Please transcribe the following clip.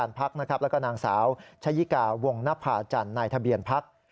สร้างประเทศไทยให้เป็นประชาธิปไตยครับ